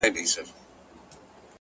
علم د ژوند معنا ژوروي.